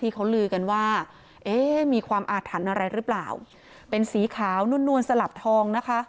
ที่เขาลือกันว่าเอ๊ะมีความอาถรรพ์อะไรหรือเปล่าเป็นสีขาวนวลสลับทองนะคะ